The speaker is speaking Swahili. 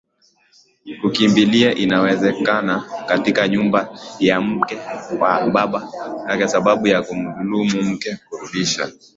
kukimbilia inawezekana katika nyumba ya mke wa baba kwa sababu ya kumdhulumu mke Kurudisha